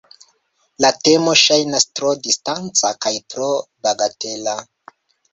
La temo ŝajnas tro distanca kaj tro bagatela.